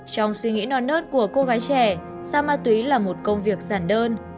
trong suy nghĩ non nớt của cô gái trẻ xa ma túy là một công việc giản đơn